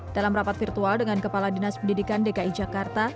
dalam rapat virtual dengan kepala dinas pendidikan dki jakarta